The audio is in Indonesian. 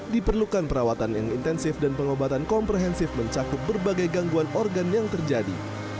diperlukan perawatan yang intensif dan pengobatan komprehensif mencakup berbagai gangguan organ yang terjadi